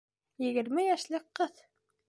Егерме йәшлек ҡыҙ!